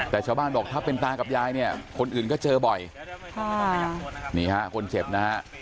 แต่ชาวบ้านบอกถ้าเป็นตากับยายเนี่ยคนอื่นก็เจอบ่อยค่ะนี่ฮะคนเจ็บนะฮะ